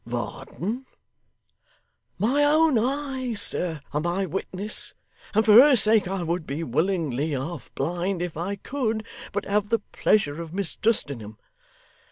'Varden!' 'My own eyes, sir, are my witnesses, and for her sake I would be willingly half blind, if I could but have the pleasure of mistrusting 'em.